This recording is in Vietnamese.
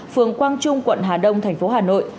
phường quang trung quận hà đông thành phố hà nội